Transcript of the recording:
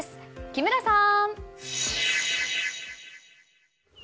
木村さん！